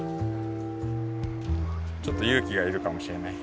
ちょっとゆうきがいるかもしれないけど。